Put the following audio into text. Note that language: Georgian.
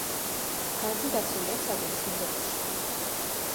განძი დაცულია ცაგერის მუზეუმში.